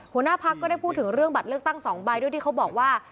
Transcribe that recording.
หัวหน้าพักก็ได้พูดถึงเรื่องบัตรเลือกตั้ง๒ใบด้วยที่เขาบอกว่า